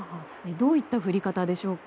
どういった降り方でしょうか。